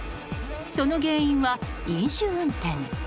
その原因は飲酒運転。